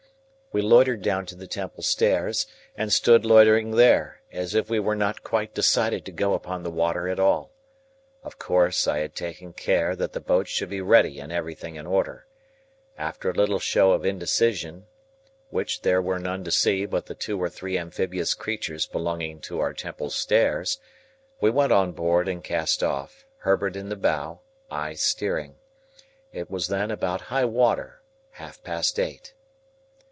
We loitered down to the Temple stairs, and stood loitering there, as if we were not quite decided to go upon the water at all. Of course, I had taken care that the boat should be ready and everything in order. After a little show of indecision, which there were none to see but the two or three amphibious creatures belonging to our Temple stairs, we went on board and cast off; Herbert in the bow, I steering. It was then about high water,—half past eight.